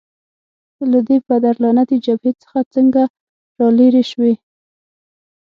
له دې پدرلعنته جبهې څخه څنګه رالیري شوې؟